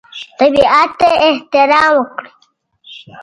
طبیعت ته احترام وکړئ.